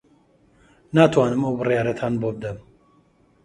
ناتوانم ئەو بڕیارەتان بۆ بدەم.